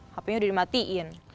hpnya udah dimatiin